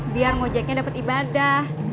biar ngujeknya dapet ibadah